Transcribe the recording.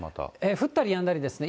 降ったりやんだりですね。